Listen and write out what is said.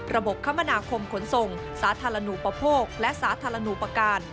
คมนาคมขนส่งสาธารณูปโภคและสาธารณูประการ